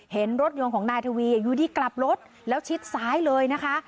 เห็นรถยนต์ของนายทวีอยู่ดีกลับรถแล้วชิดซ้ายเลยนะคะ